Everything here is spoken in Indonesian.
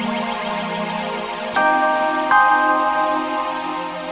sampai jumpa lagi